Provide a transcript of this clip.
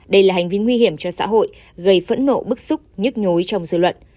đây là hành vi nguy hiểm cho xã hội gây phẫn nộ bức xúc nhức nhối trong dự luận